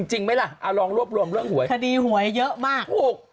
จริงไหมล่ะเอาลองรวบรวมเรื่องหวยคดีหวยเยอะมากถูก